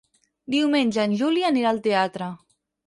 Diumenge en Juli anirà al teatre.